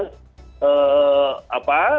apa uangnya atau aset yang didapat dari masyarakat